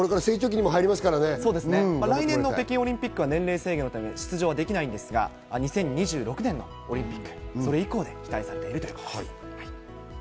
来年の北京オリンピックは年齢制限のため出場できないんですが、２０２６年のオリンピック、それ以降で期待されているということです。